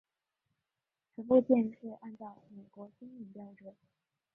此部件是按照美国军用标准。